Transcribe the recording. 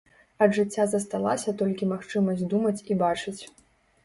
Ад жыцця засталася толькі магчымасць думаць і бачыць.